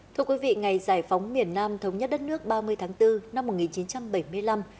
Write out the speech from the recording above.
thưa quý vị ngày giải phóng miền nam thống nhất đất nước ba mươi tháng bốn năm một nghìn chín trăm bảy mươi năm